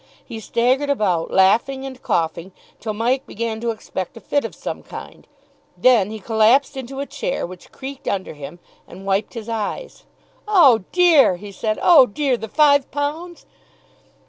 He staggered about laughing and coughing till Mike began to expect a fit of some kind. Then he collapsed into a chair, which creaked under him, and wiped his eyes. "Oh dear!" he said, "oh dear! the five pounds!"